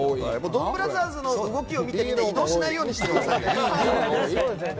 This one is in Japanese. ドンブラザーズの動きを見てから移動しないようにしてくださいね。